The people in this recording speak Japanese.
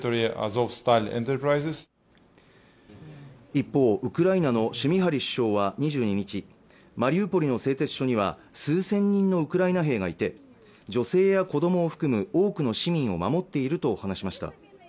一方ウクライナのシュミハリ首相は２２日マリウポリの製鉄所には数千人のウクライナ兵がいて女性や子どもを含む多くの市民を守っていると話しました